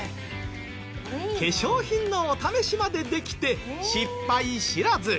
化粧品のお試しまでできて失敗知らず。